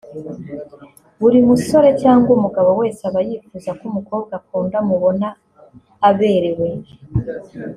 Buri musore cyangwa umugabo wese aba yifuza ko umukobwa akunda amubona aberewe